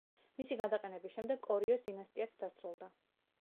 მისი გადაყენების შემდეგ კორიოს დინასტიაც დასრულდა.